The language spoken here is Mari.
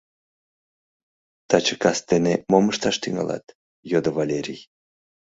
— Таче кастене мом ышташ тӱҥалат? — йодо Валерий.